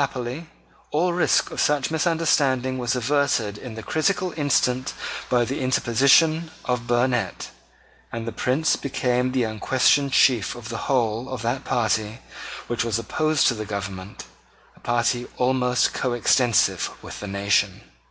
Happily all risk of such misunderstanding was averted in the critical instant by the interposition of Burnet; and the Prince became the unquestioned chief of the whole of that party which was opposed to the government, a party almost coextensive with the nation.